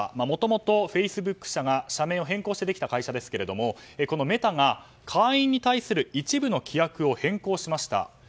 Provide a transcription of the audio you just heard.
もともとフェイスブック社が社名を変更してできた会社ですけれどもこのメタが会員に対する一部の規約を変更しました。